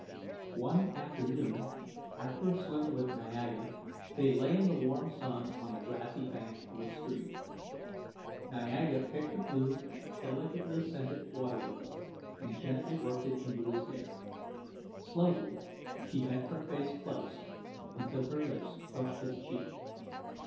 One afternoon, after a swim with Niaga, they lay in the warm sun on the grassy bank of a stream. Niaga picked a blue, delicately scented water lily, and gently worked it into his hair. Slowly she bent her face close until her lips brushed his cheek.